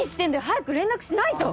早く連絡しないと！